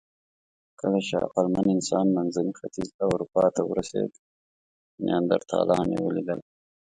کله چې عقلمن انسان منځني ختیځ او اروپا ته ورسېد، نیاندرتالان یې ولیدل.